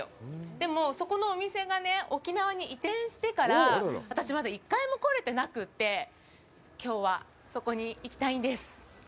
でも、そこのお店が沖縄に移転してから、私、まだ１回も来れてなくて、きょうは、そこに行きたいんです。